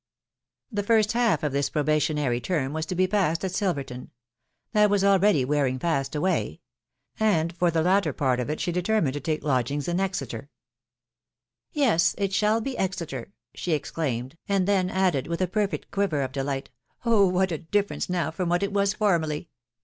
The first half of this probationary term was \& \*i ^assft& at Silverton, — that was already weanxv^ Sa&X wwj, — *®k. v 4 ....>» 72 THE WIDOW BARNAB7. for the latter part of it she determined to take lodgings in Exeter. " Yes .... it shall be Exeter !" she exclaimed, and then added, with a perfect quiver of delight, " Oh ! what a differ ence now from what it was formerly